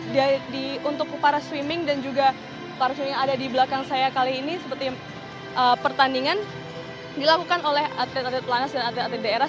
jadi untuk para swimming dan juga para swimming yang ada di belakang saya kali ini seperti pertandingan dilakukan oleh atlet atlet pelatnas dan atlet atlet daerah